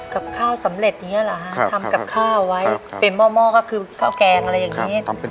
กับข้าวสำเร็จอย่างนี้เหรอฮะทำกับข้าวไว้เป็นหม้อก็คือข้าวแกงอะไรอย่างนี้